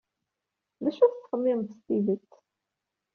D acu ay tettxemmimed s tidet?